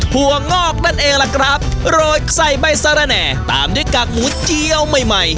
วงอกนั่นเองล่ะครับโรยใส่ใบสารแหน่ตามด้วยกากหมูเจียวใหม่ใหม่